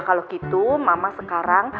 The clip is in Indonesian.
kalau gitu mama sekarang